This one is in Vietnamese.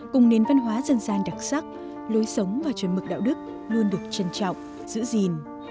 cùng nền văn hóa dân gian đặc sắc lối sống và chuẩn mực đạo đức luôn được trân trọng giữ gìn